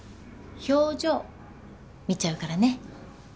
表情見ちゃうからね